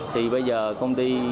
thì bây giờ công ty